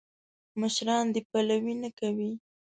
مشران دې پلوي نه کوي.